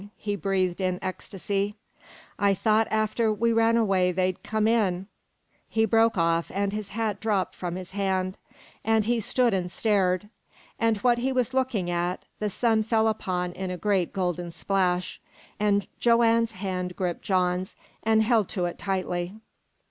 he breathed in ecstasy. "I thought after we ran away they'd come in " He broke off, and his hat dropped from his hand, and he stood and stared; and what he was looking at, the sun fell upon in a great golden splash, and Joanne's hand gripped John's, and held to it tightly.